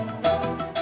nih aku tidur